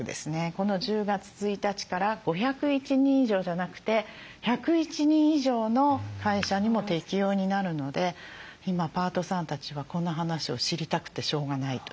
この１０月１日から５０１人以上じゃなくて１０１人以上の会社にも適用になるので今パートさんたちはこの話を知りたくてしょうがないという。